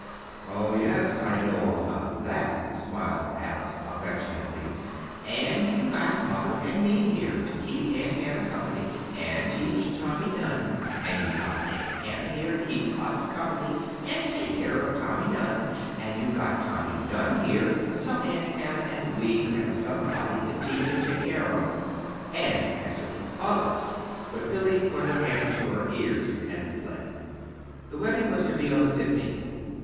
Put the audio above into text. "Oh, yes, I know all about that," smiled Alice, affectionately; "and you got mother and me here to keep Aunt Hannah company and teach Tommy Dunn; and you got Aunt Hannah here to keep us company and take care of Tommy Dunn; and you got Tommy Dunn here so Aunt Hannah and we could have somebody to teach and take care of; and, as for the others, " But Billy put her hands to her ears and fled. The wedding was to be on the fifteenth.